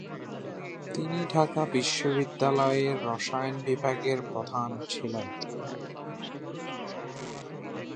তিনি ঢাকা বিশ্ববিদ্যালয়ের রসায়ন বিভাগের প্রধান ছিলেন।